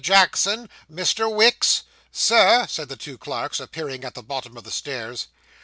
Jackson! Mr. Wicks!' 'Sir,' said the two clerks, appearing at the bottom of the stairs.